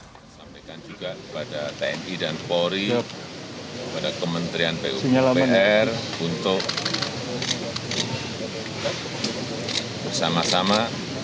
saya sampaikan juga kepada tni dan polri kepada kementerian pupr untuk bersama sama